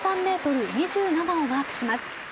６３ｍ２７をマークします。